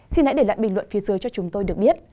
xin hãy để lại bình luận phía dưới cho chúng tôi được biết